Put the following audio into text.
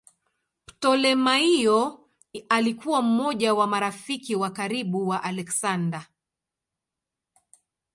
Ptolemaio alikuwa mmoja wa marafiki wa karibu wa Aleksander.